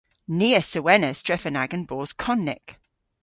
Ni a sewenas drefen agan bos konnyk.